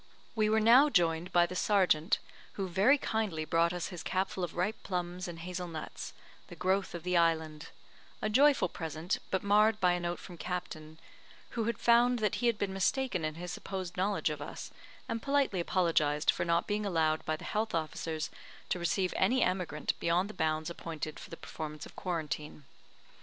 We were now joined by the sergeant, who very kindly brought us his capful of ripe plums and hazel nuts, the growth of the island; a joyful present, but marred by a note from Captain , who had found that he had been mistaken in his supposed knowledge of us, and politely apologised for not being allowed by the health officers to receive any emigrant beyond the bounds appointed for the performance of quarantine.